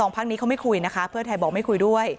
พักนี้เขาไม่คุยนะคะเพื่อไทยบอกไม่คุยด้วย